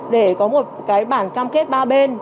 để có một cái bản cam kết ba bên